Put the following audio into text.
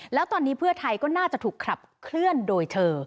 แล้วตอนนี้เพื่อไทยก็น่าจะถูกขับเคลื่อนโดยเธอ